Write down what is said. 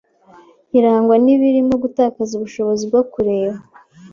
irangwa n’ibirimo gutakaza ubushobozi bwo kureba